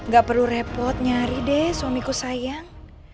gak perlu repot nyari deh suamiku sayang